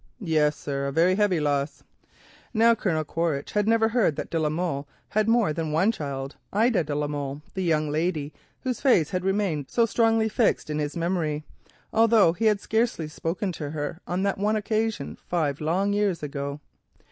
"Yes, sir, a very heavy loss." Now Colonel Quaritch had never heard that Mr. de la Molle had more than one child, Ida de la Molle, the young lady whose face remained so strongly fixed in his memory, although he had scarcely spoken to her on that one occasion five long years ago.